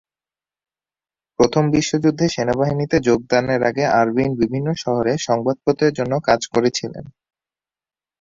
প্রথম বিশ্বযুদ্ধে সেনাবাহিনীতে যোগদানের আগে আরভিন বিভিন্ন শহরে সংবাদপত্রের জন্য কাজ করেছিলেন।